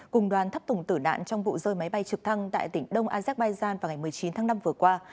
cùng đoàn thắp tùng tử nạn trong vụ rơi máy bay trực thăng tại tỉnh đông azerbaijan vào ngày một mươi chín tháng năm vừa qua